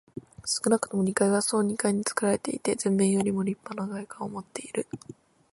少なくとも二階は総二階につくられていて、前面よりもりっぱな外観をもっている。